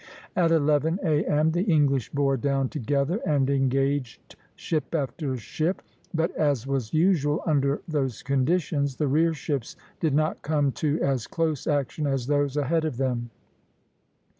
At eleven A.M. the English bore down together and engaged ship against ship; but as was usual under those conditions, the rear ships did not come to as close action as those ahead of them (Plate XVI.